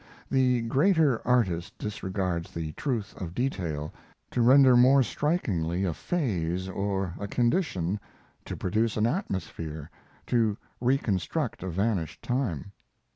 The greater artist disregards the truth of detail to render more strikingly a phase or a condition, to produce an atmosphere, to reconstruct a vanished time.